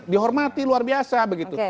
dihormati luar biasa begitu